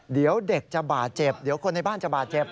เดี๋ยวเด็กจะบาดเจ็บเดี๋ยวคนในบ้านจะบาดเจ็บ